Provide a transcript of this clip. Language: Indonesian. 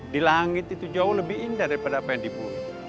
di langit itu jauh lebih indah daripada apa yang dibuat